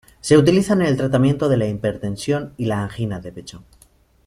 Se utiliza en el tratamiento de la hipertensión y la angina de pecho.